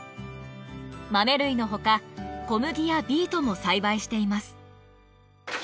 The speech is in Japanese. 豆類のほか小麦やビートも栽培しています。